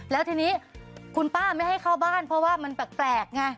และคุณป้าไม่ให้เข้าบ้านเพราะมันแปลกไง